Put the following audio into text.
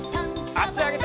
あしあげて。